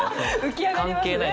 関係ない。